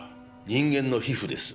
人間の皮膚です。